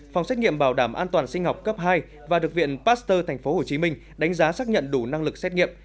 phòng xét nghiệm bảo đảm an toàn sinh học cấp hai và được viện pasteur tp hcm đánh giá xác nhận đủ năng lực xét nghiệm